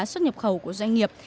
xuất nhập khẩu của doanh nghiệp